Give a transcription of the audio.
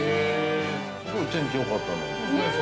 ◆すごい天気よかったのに、外。